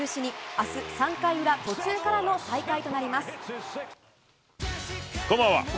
あす、３回裏途中からの再開となこんばんは。